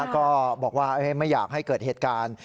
ก็บอกว่าไม่อยากให้เกิดเหตุการณ์